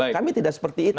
kami tidak seperti itu